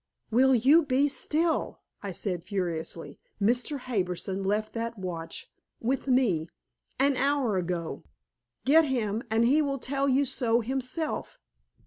"Will you be still?" I said furiously. "Mr. Harbison left that watch with me an hour ago. Get him, and he will tell you so himself!"